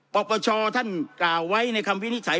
ปปชท่านกล่าวไว้ในคำวินิจฉัย